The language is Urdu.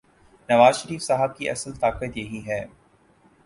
نوازشریف صاحب کی اصل طاقت یہی ہے۔